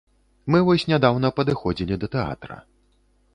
Мы вось нядаўна падыходзілі да тэатра.